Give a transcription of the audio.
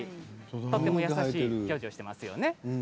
とても優しい顔をしていますよね。